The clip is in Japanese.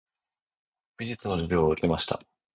美術の授業を受けました。